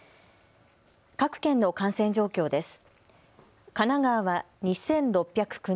各県の感染状況です。